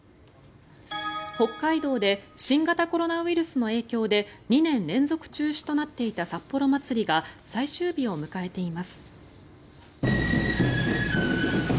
北海道で新型コロナウイルスの影響で２年連続中止となっていた札幌まつりが最終日を迎えています。